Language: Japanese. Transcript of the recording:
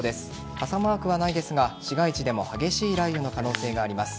傘マークはないですが市街地でも激しい雷雨の可能性があります。